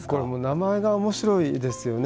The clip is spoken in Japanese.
名前がおもしろいですよね。